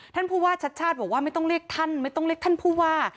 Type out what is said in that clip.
ท่านผู้ว่าชัดชาติบอกว่าไม่ต้องเรียกท่านไม่ต้องเรียกท่านผู้ว่า